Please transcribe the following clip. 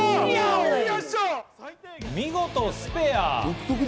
見事スペア！